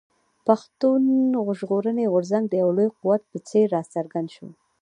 پښتون ژغورني غورځنګ د يو لوی قوت په څېر راڅرګند شو.